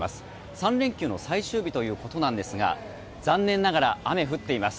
３連休の最終日ということですが残念ながら雨、降っています。